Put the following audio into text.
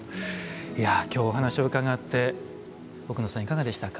いや今日お話を伺って奥野さんいかがでしたか？